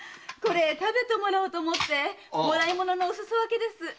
これ食べてもらおうと思ってもらい物のおすそ分けです。